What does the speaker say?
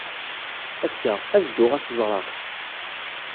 Ass-a, ad dduɣ ad t-ẓreɣ.